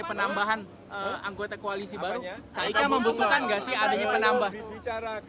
penambahan anggota koalisi baru